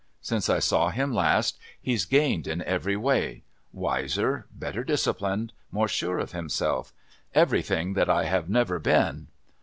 Since I saw him last he's gained in every way wiser, better disciplined, more sure of himself everything that I have never been...."